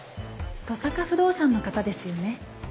登坂不動産の方ですよね？